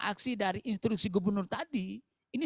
aksi dari instruksi gubernur tadi ini